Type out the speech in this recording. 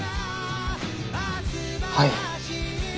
はい。